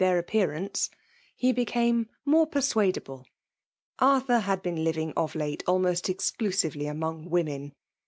their appearancei he became more persuade able. Arthur had been living of late almost exclusively among women.